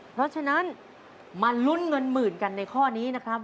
เพราะฉะนั้นมาลุ้นเงินหมื่นกันในข้อนี้นะครับ